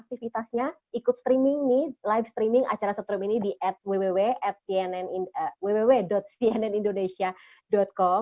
ikut streaming ini live streaming acara seterusnya ini di www cnnindonesia com